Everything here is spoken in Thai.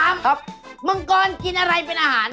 มังกรกินอะไรเป็นอาหาร